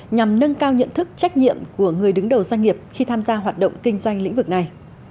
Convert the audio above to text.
nhằm nâng cao nhận thức trách nhiệm của người đứng đầu doanh nghiệp khi tham gia hoạt động kinh doanh lĩnh vực này